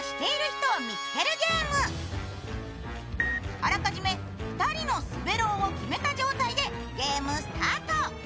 あらかじめ２人の滑狼を決めた状態でゲームをスタート。